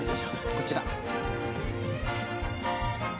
こちら。